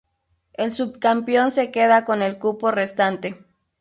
El subcampeón se queda con el cupo restante.